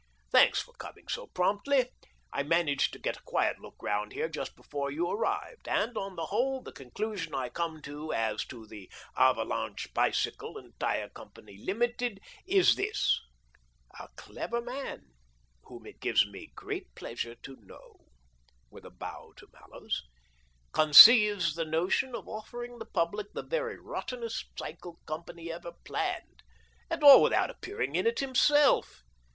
Thanks for coming so promptly. I managed to get a quiet look round here just before you arrived, and on the whole the con clusion I come to as to the ' Avalanche Bicycle and Tyre Company, Limited,' is this: A clever man, whom it gives me great pleasure to know," "AVALANCHE BICYCLE AND TYRE CO., LTD." 189 with a bow to Mallows, " conceives the notion of offering the public the very rottenest cycle com pany ever planned, and all without appearing in it himself.